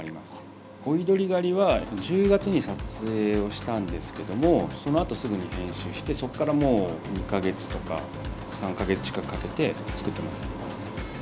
追鳥狩は１０月に撮影をしたんですけどもそのあとすぐに編集してそこからもう２か月とか３か月近くかけて作ってます。